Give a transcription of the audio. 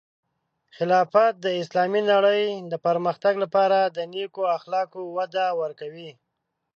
خلافت د اسلامی نړۍ د پرمختګ لپاره د نیکو اخلاقو وده ورکوي.